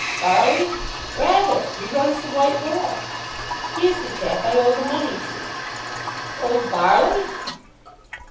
"Barley? Rather he runs the 'White Boar'." "He's the chap I owe the money to." "Old Barley!"